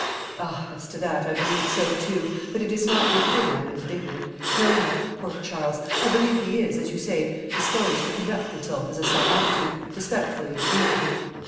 "Ah, as to that, I believe so, too. But it is not with him I am indignant; no, no. Poor Charles! I believe he is, as you say, disposed to conduct himself as a son ought to do, respectfully and obediently.